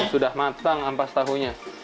sudah matang ampas tahunya